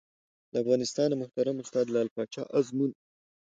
له افغانستانه محترم استاد لعل پاچا ازمون